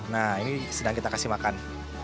nah ini sedang kita kasih makan